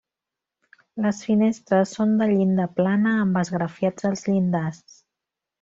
Les finestres són de llinda plana amb esgrafiats als llindars.